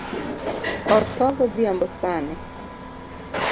Otho godhiambo sani